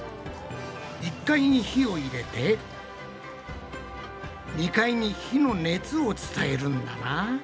１階に火を入れて２階に火の熱を伝えるんだな。